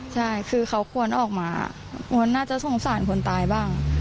ใช่คือเขาควรออกมาควรน่าจะสงสารคนตายบ้าง